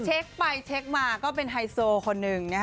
เช็กไปเช็กมาก็เป็นไฮโซล์คนนึง